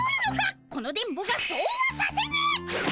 この電ボがそうはさせぬ！